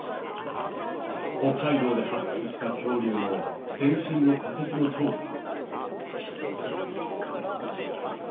北海道で発掘した恐竜の全身の化石の調査。